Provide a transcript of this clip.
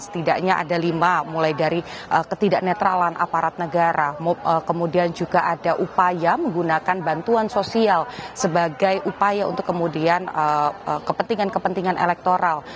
setidaknya ada lima mulai dari ketidak netralan aparat negara kemudian juga ada upaya menggunakan bantuan sosial sebagai upaya untuk kemudian kepentingan kepentingan elektoral